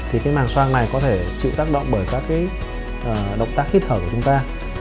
thì cái màng xoang này có thể chịu tác động bởi các cái động tác hít thở của chúng ta